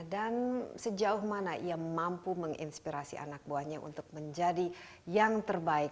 sejauh mana ia mampu menginspirasi anak buahnya untuk menjadi yang terbaik